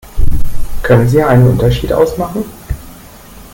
Können Sie einen Unterschied ausmachen?